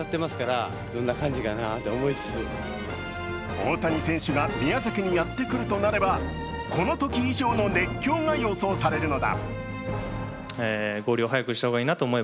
大谷選手が宮崎にやってくるとなればこのとき以上の熱狂が予想されるのだ。